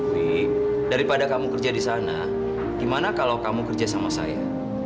bi daripada kamu kerja di sana gimana kalau kamu kerja sama saya